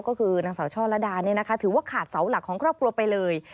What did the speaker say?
ก็คือนางสาวช่อระดาถือว่าขาดเสาหลักของครอบครัวไปเลย